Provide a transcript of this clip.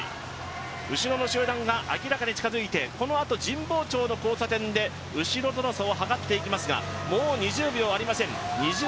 後ろの集団が明らかに近づいて、このあと神保町の交差点で後ろとの差をはかっていきますが、もう２０秒ありません。